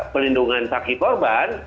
pelindungan saksi korban